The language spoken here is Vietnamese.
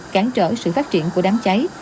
cản trở sự phát triển của đám cháy